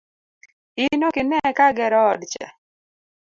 in okine ka agero odcha?